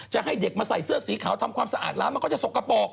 จะให้เด็กมาใส่เสื้อสีขาวทำความสะอาดร้านมันก็จะสกปรก